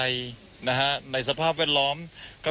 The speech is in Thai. คุณทัศนาควดทองเลยค่ะ